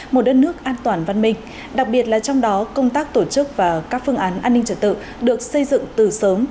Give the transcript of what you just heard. một đất nước an toàn văn minh đặc biệt là trong đó công tác tổ chức và các phương án an ninh trật tự được xây dựng từ sớm